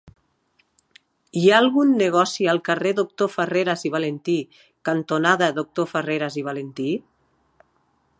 Hi ha algun negoci al carrer Doctor Farreras i Valentí cantonada Doctor Farreras i Valentí?